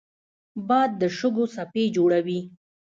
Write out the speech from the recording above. باد د شګو څپې جوړوي